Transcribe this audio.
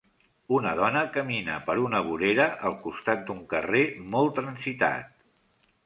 Una dona camina per una vorera al costat d'un carrer molt transitat.